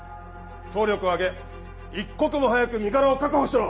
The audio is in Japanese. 総力を挙げ一刻も早く身柄を確保しろ！